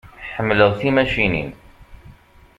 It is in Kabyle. Ḥemmleɣ timacinin.